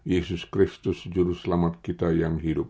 yesus kristus juru selamat kita yang hidup